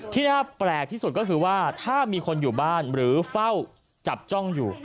ที่น่าแปลกที่สุดก็คือว่าถ้ามีคนอยู่บ้านหรือเฝ้าจับจ้องอยู่